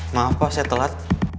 maaf pak saya telat